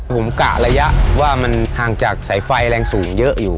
ผมกะระยะว่ามันห่างจากสายไฟแรงสูงเยอะอยู่